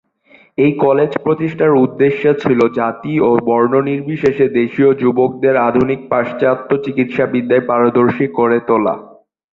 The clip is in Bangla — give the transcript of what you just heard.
এই কলেজ প্রতিষ্ঠার উদ্দেশ্য ছিল জাতি ও বর্ণ নির্বিশেষে দেশীয় যুবকদের আধুনিক পাশ্চাত্য চিকিৎসাবিদ্যায় পারদর্শী করে তোলা।